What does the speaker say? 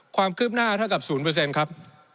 ความคืบหน้าเท่ากับ๐ครับ